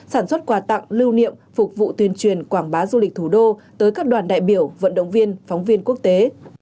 sản xuất quà tặng lưu niệm phục vụ tuyên truyền quảng bá du lịch thủ đô tới các đoàn đại biểu vận động viên phóng viên quốc tế